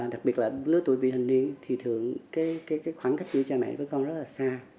đặc biệt là lứa tuổi vi hành ni thì thường cái khoảng cách giữa cha mẹ với con rất là xa